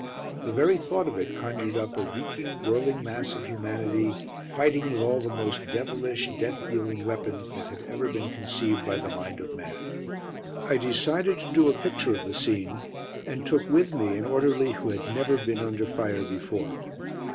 The very thought of it conjured up a reeking, whirling mass of humanity, fighting with all the most devilish, death dealing weapons that had ever been conceived by the mind of man. I decided to do a picture of the scene, and took with me an orderly who had never been under fire before.